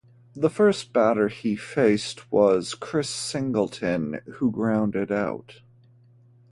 The first batter he faced was Chris Singleton, who grounded out.